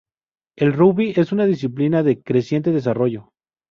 El rugby es una disciplina de creciente desarrollo.